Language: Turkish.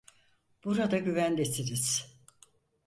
Burada güvendesiniz.